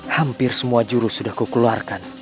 hampir semua jurus sudah kukeluarkan